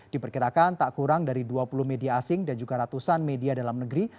diperkirakan tak kurang dari dua puluh media asing dan juga ratusan media dalam negeri